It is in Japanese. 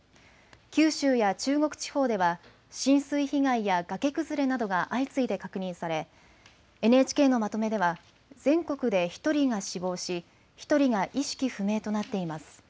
九州や中国地方では、浸水被害や崖崩れなどが相次いで確認され、ＮＨＫのまとめでは、全国で１人が死亡し、１人が意識不明となっています。